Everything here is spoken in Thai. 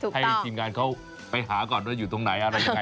ให้ทีมงานเขาไปหาก่อนว่าอยู่ตรงไหนอะไรยังไง